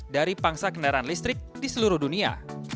dari pangsa kendaraan listrik di seluruh dunia